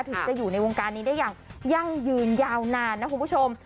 ถึงจะอยู่ในวงการนี้ได้อย่างยั่งยืนยาวนานนะคุณผู้ชม